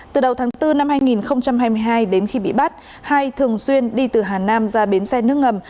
từ đầu tháng bốn năm hai nghìn hai mươi hai đến khi bị bắt hai thường xuyên đi từ hà nam ra bến xe nước ngầm